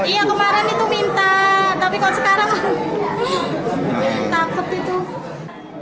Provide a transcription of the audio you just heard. iya kemarin itu minta tapi kalau sekarang takut itu